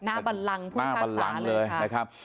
นาบัลลังพุทธภาคศาเลยนะครับ